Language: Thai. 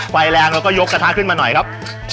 ไฟแรงเราก็ยกกระทะขึ้นมาหน่อยครับ